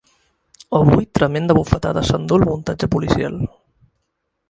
Avui tremenda bufetada s’endú el muntatge policial.